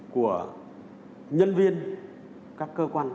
của nhân viên các cơ quan